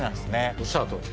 おっしゃるとおり。